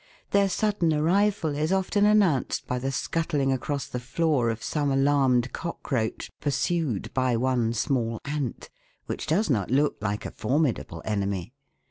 Their sudden arrival is often announced by the scuttling across the floor of some alarmed cockroach, pursued by one small ant, which does not look like a formidable enemy.